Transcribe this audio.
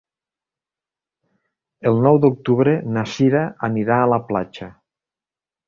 El nou d'octubre na Sira anirà a la platja.